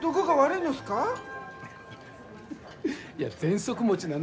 いやぜんそく持ちなのよ